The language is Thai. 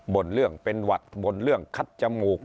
่นเรื่องเป็นหวัดบ่นเรื่องคัดจมูก